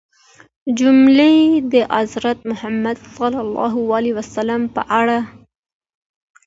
جملې د حضرت محمد ﷺ په اړه